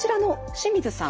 清水さん